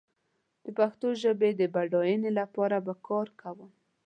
د پښتو ژبې د بډايينې لپاره به کار کوم